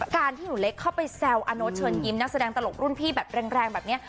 การที่หนูเล็กเข้าไปแซวอาโน๊ตเชิญยิ้มนักแสดงตลกรุ่นพี่แบบแรงแบบนี้